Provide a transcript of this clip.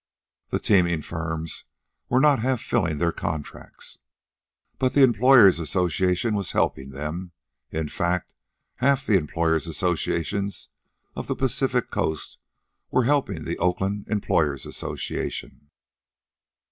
The teaming firms were not half filling their contracts, but the employers' association was helping them. In fact, half the employers' associations of the Pacific Coast were helping the Oakland Employers' Association.